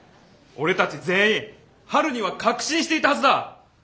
俺たち全員春には確信していたはずだ。